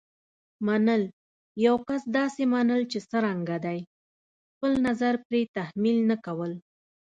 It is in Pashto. منل: یو کس داسې منل چې څرنګه دی. خپل نظر پرې تحمیل نه کول.